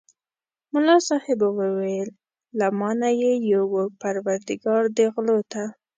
ملا صاحب وویل له ما نه یې یووړ پرودګار دې غلو ته.